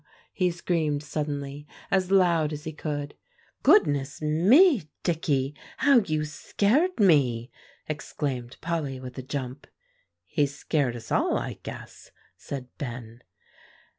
he screamed suddenly, as loud as he could. "Goodness me, Dicky, how you scared me!" exclaimed Polly with a jump. "He scared us all, I guess," said Ben.